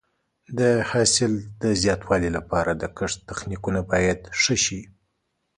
د حاصل د زیاتوالي لپاره د کښت تخنیکونه باید ښه شي.